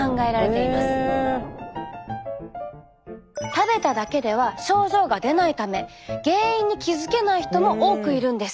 食べただけでは症状が出ないため原因に気付けない人も多くいるんです。